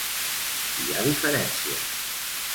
Hi ha diferències.